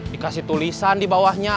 dikasih tulisan di bawahnya